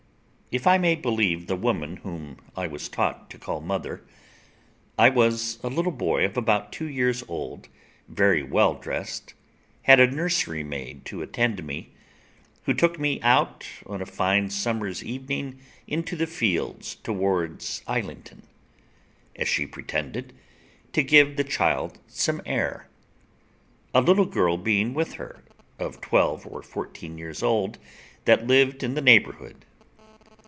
If I may believe the woman whom I was taught to call mother, I was a little boy, of about two years old, very well dressed, had a nursery maid to attend me, who took me out on a fine summer's evening into the fields towards Islington, as she pretended, to give the child some air; a little girl being with her, of twelve or fourteen years old, that lived in the neighbourhood.